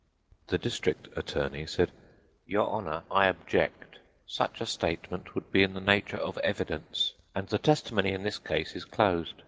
The district attorney said: "Your Honor, I object. Such a statement would be in the nature of evidence, and the testimony in this case is closed.